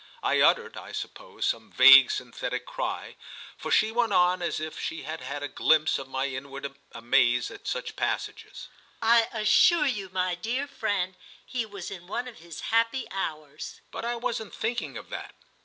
I uttered, I suppose, some vague synthetic cry, for she went on as if she had had a glimpse of my inward amaze at such passages. "I assure you, my dear friend, he was in one of his happy hours." But I wasn't thinking of that.